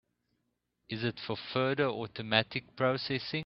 Is it for further automatic processing?